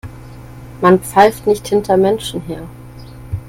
Man pfeift nicht hinter Menschen her.